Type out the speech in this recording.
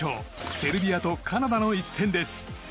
セルビアとカナダの一戦です。